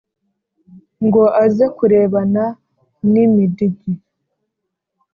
ngo aze kurebana n’imidigi